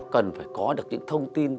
cần phải có được những thông tin